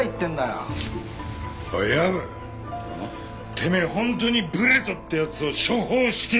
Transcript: てめえ本当にブレトってやつを処方してねえんだな？